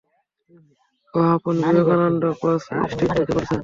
ওহ আপনি Vivekananda Cross Street থেকে বলছেন!